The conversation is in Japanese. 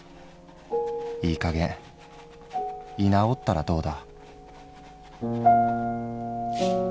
いい加減居直ったらどうだ」。